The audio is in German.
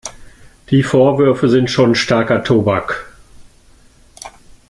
Die Vorwürfe sind schon starker Tobak.